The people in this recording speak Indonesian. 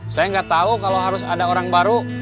saya nggak tahu kalau harus ada orang baru